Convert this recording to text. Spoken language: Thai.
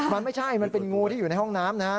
มันไม่ใช่มันเป็นงูที่อยู่ในห้องน้ำนะฮะ